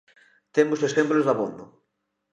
Temos exemplos dabondo.